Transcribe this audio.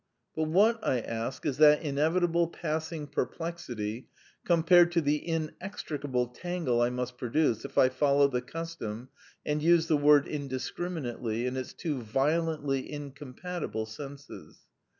But what, I ask, is that inevitable passing per plexity compared to the inextricable tangle I must produce if I follow the custom, and use the word indiscriminately in its two violently incompatible senses?